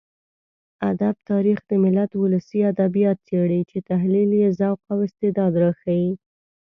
ادب تاريخ د ملت ولسي ادبيات څېړي چې تحليل يې ذوق او استعداد راښيي.